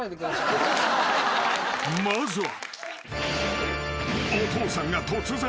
［まずは］